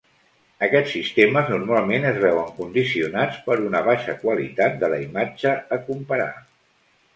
Aquests sistemes normalment es veuen condicionats per una baixa qualitat de la imatge a comparar.